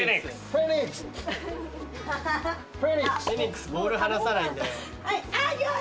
フェニックスボール離さないんだよ。